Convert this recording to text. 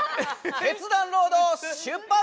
決断ロード出発！